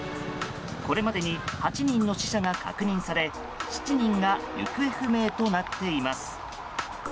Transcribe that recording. これまでに８人の死者が確認され７人が行方不明となっています。